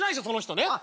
その人ね